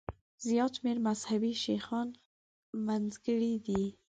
زیات شمېر مذهبي شیخان منځګړي دي.